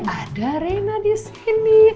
ada reina di sini